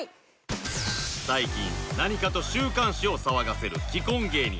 最近何かと週刊誌を騒がせる既婚芸人